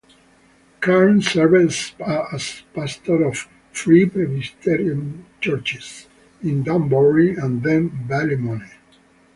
Cairns served as pastor of Free Presbyterian churches in Dunmurry and then Ballymoney.